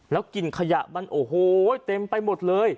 กลิ่นขยะมันโอ้โหเต็มไปหมดเลย